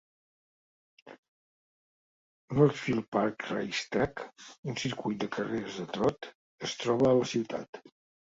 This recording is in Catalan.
Northfield Park Race Track, un circuit de carreres de trot, es troba a la ciutat.